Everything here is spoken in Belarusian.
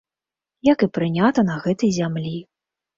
Як і прынята на гэтай зямлі.